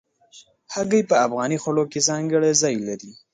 هګۍ په افغاني خوړو کې ځانګړی ځای لري.